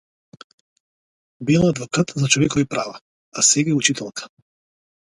Била адвокат за човекови права, а сега е учителка.